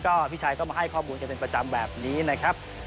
พี่ชัยก็มาให้ข้อมูลกันเป็นประจำแบบนี้นะครับ